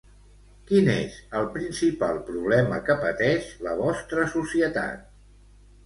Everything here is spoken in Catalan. Quin és el principal problema que pateix la vostra societat?